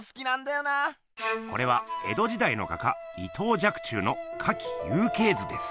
これは江戸時だいの画家伊藤若冲の「花卉雄鶏図」です。